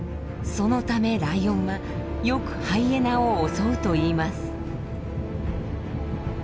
そのためライオンはよくハイエナを襲うといいます。